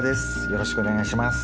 よろしくお願いします。